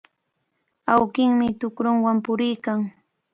Awkinmi tukrunwan puriykan.